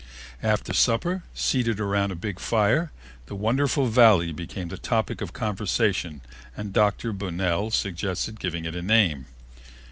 After supper, seated around a big fire, the wonderful Valley became the topic of conversation and Dr. Bunell suggested giving it a name.